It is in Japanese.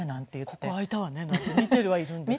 「ここ空いたわね」なんて見てはいるんですけど。